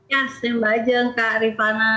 ya saya mbak ajeng kak rifana